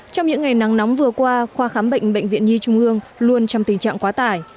trong những ngày nắng nóng vừa qua khoa khám bệnh bệnh viện nhi trung ương luôn trong tình trạng quá tải